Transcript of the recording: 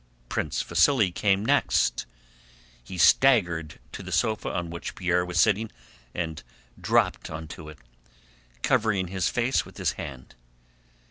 Prince Vasíli came next. He staggered to the sofa on which Pierre was sitting and dropped onto it, covering his face with his hand.